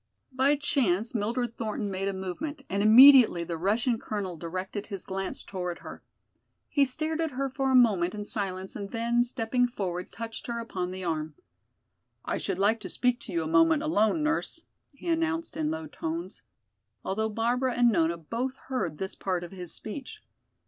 By chance Mildred Thornton made a movement and immediately the Russian colonel directed his glance toward her. He stared at her for a moment in silence and then, stepping forward, touched her upon the arm. "I should like to speak to you a moment alone, nurse," he announced in low tones, although Barbara and Nona both heard this part of his speech.